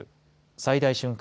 最大瞬間